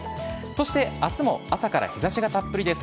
そして明日も朝から日差しがたっぷりです。